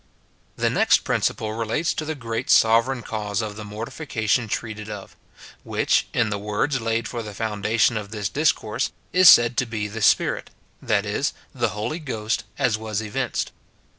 The next principle relates to the great sovereign cause of the mortification treated of; which, in the words laid for the foundation of this discourse, is said to be the Spi rit — that is, the Holy Ghost, as was evinced.